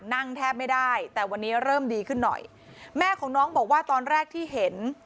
นั่งแทบไม่ได้แต่วันนี้เริ่มดีขึ้นหน่อยแม่ของน้องบอกว่าตอนแรกที่เห็น